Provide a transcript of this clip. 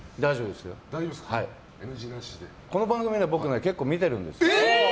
この番組ね結構、僕、見てるんです。